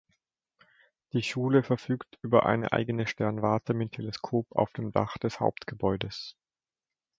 Die Schule verfügt über eine eigene Sternwarte mit Teleskop auf dem Dach des Hauptgebäudes.